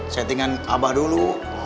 setting an abah dulu